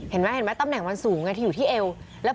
เห็นไหมตำแหน่งมันสูงในที่ที่เอว